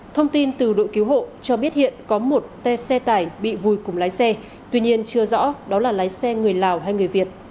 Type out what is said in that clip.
thông tin từ đội cứu hộ cho biết hiện có một t xe tải bị vùi cùng lái xe tuy nhiên chưa rõ đó là lái xe người lào hay người việt